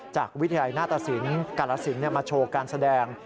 จากวิทยาลัยหน้าตาศิลป์กรรศิลป์มาโชว์การแสดง